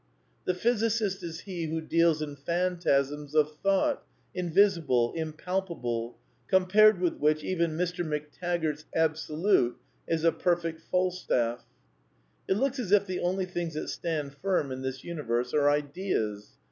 The physicist is he who desds in phantasms of thought, invisible, impalpable, compared with which even Dr. McTaggart's Absolute is a perfect Falstaff. It looks as if the only things that stand firm in this universe are Ideas.